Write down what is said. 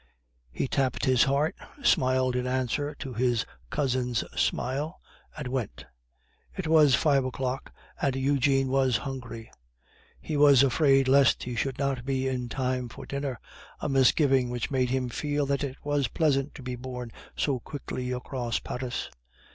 He tapped his heart, smiled in answer to his cousin's smile, and went. It was five o'clock, and Eugene was hungry; he was afraid lest he should not be in time for dinner, a misgiving which made him feel that it was pleasant to be borne so quickly across Paris.